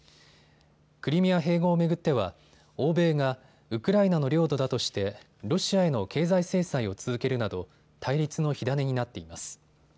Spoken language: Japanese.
クリミア併合を巡っては欧米がウクライナの領土だとしてロシアへの経済制裁を続けるなど対立の火種になっています。